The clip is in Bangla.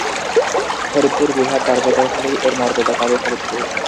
ফরিদপুর বিভাগ কার্যকর হলেই এর মর্যাদা পাবে ফরিদপুর।